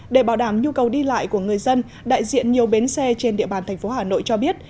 để bảo đảm nhu cầu đi lại của người dân đại diện nhiều bến xe trên địa bàn thành phố hà nội cho biết